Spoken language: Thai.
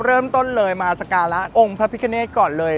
เริ่มต้นเลยมาสการะองค์พระพิกเนธก่อนเลย